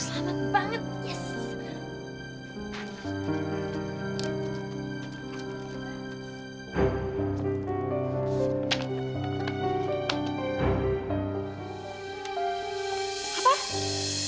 aduh selamat banget yes